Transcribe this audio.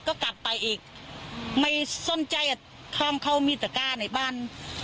ก็กลับไปอีกไม่สนใจจะข้ามเข้ามีตะก้าในบ้าน